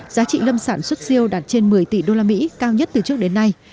giá trị lâm sản xuất siêu đạt trên một mươi tỷ usd cao nhất từ trước đến nay